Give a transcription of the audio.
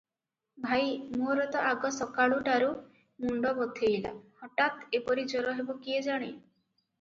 "ଭାଇ! ମୋର ତ ଆଗ ସକାଳୁଟାରୁ ମୁଣ୍ଡ ବଥେଇଲା; ହଠାତ୍ ଏପରି ଜର ହେବ କିଏ ଜାଣେ?